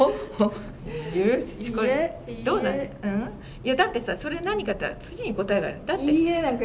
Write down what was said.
いやだってさそれ何かっていったら次に答えがある。